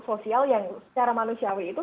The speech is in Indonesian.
sosial yang secara manusiawi itu